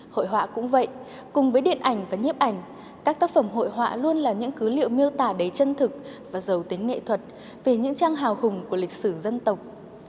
hội họa cũng vậy cùng với điện ảnh và nhiếp ảnh các tác phẩm hội họa luôn là những cứ liệu miêu tả đầy chân thực và giàu tính nghệ thuật về những trang hào hùng của lịch sử dân tộc